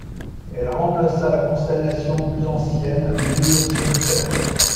Elle remplaça la constellation plus ancienne Grive solitaire.